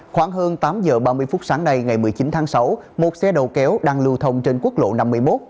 khoảng hơn tám giờ ba mươi phút sáng nay ngày một mươi chín tháng sáu một xe đầu kéo đang lưu thông trên quốc lộ năm mươi một